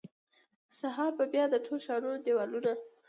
سهار به بیا د ټول ښارونو دیوالونه،